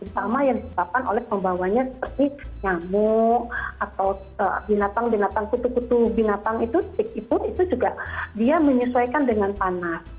sama yang disebabkan oleh pembawanya seperti nyamuk atau binatang binatang kutu kutu binatang itu stik itu juga dia menyesuaikan dengan panas